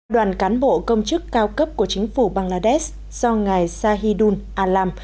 đoàn cán bộ công chức cao cấp của chính phủ bangladesh do ngài sahidul alam